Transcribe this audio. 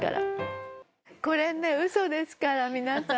これねウソですから皆さん。